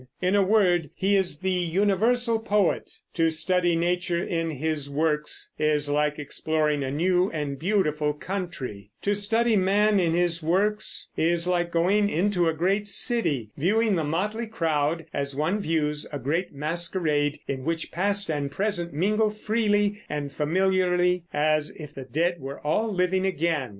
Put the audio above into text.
In a word, he is the universal poet. To study nature in his works is like exploring a new and beautiful country; to study man in his works is like going into a great city, viewing the motley crowd as one views a great masquerade in which past and present mingle freely and familiarly, as if the dead were all living again.